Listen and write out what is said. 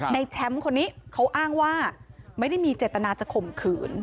ในแชมป์คนนี้เขาอ้างว่าไม่ได้มีเจตนาจะข่มขืน